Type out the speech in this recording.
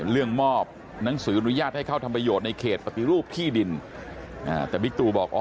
มอบหนังสืออนุญาตให้เข้าทำประโยชน์ในเขตปฏิรูปที่ดินแต่บิ๊กตูบอกอ๋อ